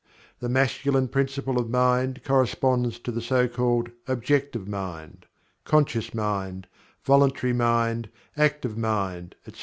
The Masculine Principle of Mind corresponds to the so called Objective Mind; Conscious Mind; Voluntary Mind; Active Mind, etc.